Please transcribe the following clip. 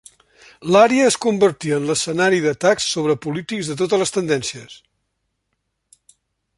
L'àrea es convertí en l'escenari d'atacs sobre polítics de totes les tendències.